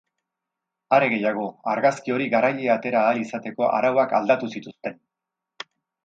Are gehiago, argazki hori garaile atera ahal izateko arauak aldatu zituzten.